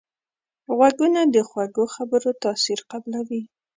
غوږونه د خوږو خبرو تاثیر قبلوي